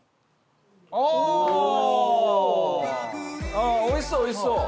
ああおいしそうおいしそう。